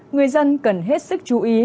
người dân cần hết sức chữa bỏ mưa rào và rông